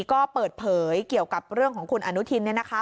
ก็เปิดเผยเกี่ยวกับเรื่องของคุณอนุทิน